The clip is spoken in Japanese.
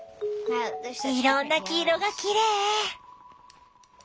いろんな黄色がきれい！